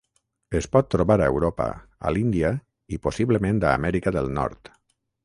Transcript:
Es pot trobar a Europa, a l'Índia, i possiblement a Amèrica del Nord.